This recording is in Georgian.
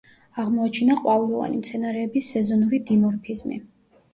აღმოაჩინა ყვავილოვანი მცენარეების სეზონური დიმორფიზმი.